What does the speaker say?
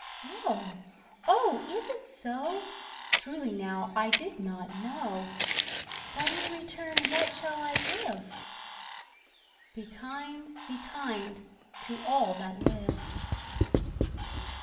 Oh! oh! is it so? Truly now, I did not know! But in return what shall I give? "Be kind, be kind, to all that live."